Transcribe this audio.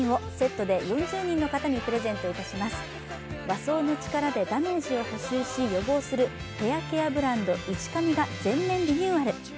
和草の力でダメージ修復し、予防するヘアケアブランド「いち髪」が全面リニューアル！